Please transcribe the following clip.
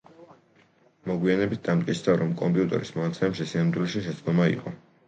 მოგვიანებით დამტკიცდა, რომ კომპიუტერის მონაცემებში სინამდვილეში შეცდომა იყო.